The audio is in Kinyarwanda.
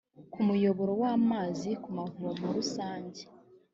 muyoboro w amazi ku mavomo rusange